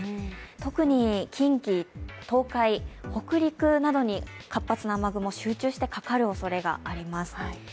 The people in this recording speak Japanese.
特に近畿、東海、北陸などに活発な雨雲、集中してかかるおそれがあります。